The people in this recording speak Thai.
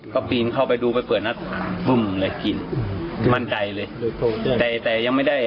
พอปีนเข้าไปดูไปเปิดหน้าต่างมั่นใจเลยแต่ยังไม่ได้